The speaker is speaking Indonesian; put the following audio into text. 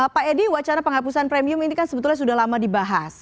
pak edi wacana penghapusan premium ini kan sebetulnya sudah lama dibahas